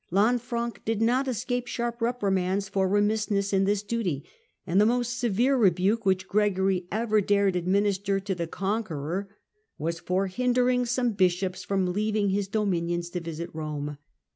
Lanfranc did not escape sharp reprimands for remissness in this duty ; and the most severe rebuke which Gregory ever dared administer to the Conqueror was for hindering some bishops from leaving his dominions to visit Rome.